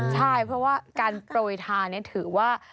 ใช่เพราะว่าการปล่อยทานเนี่ยถือว่า